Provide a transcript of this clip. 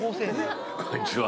こんにちは。